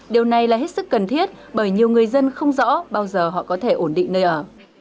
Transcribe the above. điều này là hết sức cần thiết bởi nhiều người dân không rõ bao giờ họ có thể ổn định nơi ở